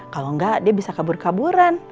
kalau enggak dia bisa kabur kaburan